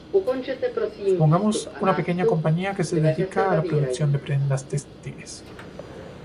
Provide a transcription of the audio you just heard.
Supongamos una pequeña compañía que se dedica a la producción de prendas textiles.